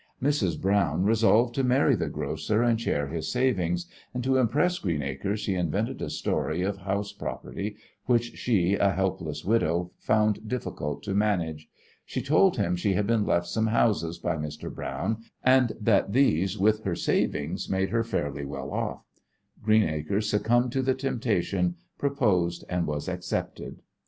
Mrs. Browne resolved to marry the grocer and share his savings, and to impress Greenacre she invented a story of house property which she, a helpless widow, found difficult to manage. She told him she had been left some houses by Mr. Browne and that these with her savings made her fairly well off. Greenacre succumbed to the temptation; proposed and was accepted.